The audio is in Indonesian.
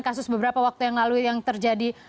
kasus beberapa waktu yang lalu yang terjadi